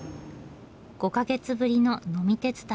５か月ぶりの「呑み鉄旅」。